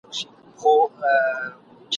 چي یې سرونه د بګړۍ وړ وه !.